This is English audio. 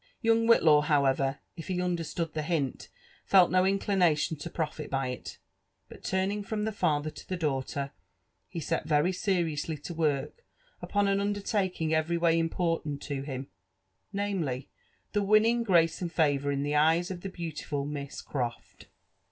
Youqg Whillaw, however, if he understood tlie hint, felt no inclination to profit by it; but turning from the father to the daughter, he set very seriously to work upon an undertaking every way important to him, — namely, the winning grace and favour in the eyesof the beautiful Mis^ Croft.